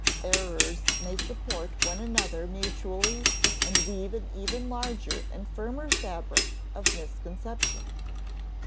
Errors may support one another mutually and weave an ever larger and firmer fabric of misconception.